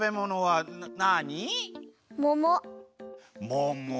もも。